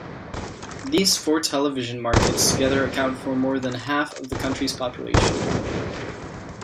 These four television markets together account for more than half of the country's population.